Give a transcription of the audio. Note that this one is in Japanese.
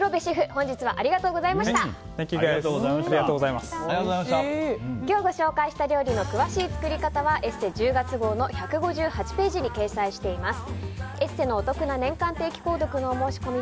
本日ご紹介した料理の詳しい作り方は「ＥＳＳＥ」１０月号の１５８ページに掲載しています。